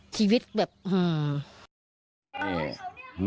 ชีวิตแบบฮือ